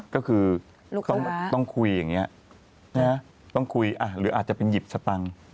ก็คือต้องคุยอย่างนี้ต้องคุยหรืออาจจะเป็นหยิบสตังค์